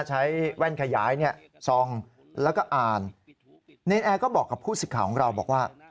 แว่นขยายเนี่ยส่องแล้วก็อ่านเนรนแอร์ก็บอกกับผู้สิทธิ์ของเราบอกว่า